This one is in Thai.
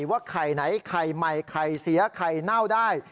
ว่าไข่ไหนไข่ใหม่ไข่เสียไข่เน่าได้